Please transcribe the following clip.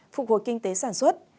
phục hồi kinh tế sản xuất